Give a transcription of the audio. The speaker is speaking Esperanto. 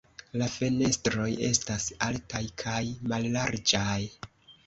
La fenestroj estas altaj kaj mallarĝaj.